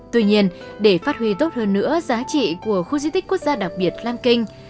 tuy nhiên để phát huy tốt hơn nữa giá trị của khu di tích quốc gia đặc biệt lan kinh